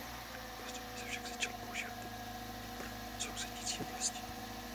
Postupně se však začal používat i pro sousedící oblasti.